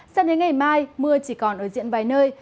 sang đến ngày mai mưa chỉ còn ở diện vài nơi